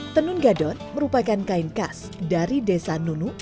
tenun gadon merupakan kain khas dari desa nunuk